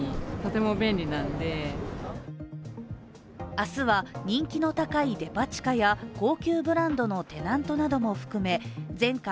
明日は人気の高いデパ地下や高級ブランドのテナントなども含め全館